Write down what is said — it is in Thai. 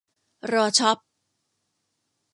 รอช็อป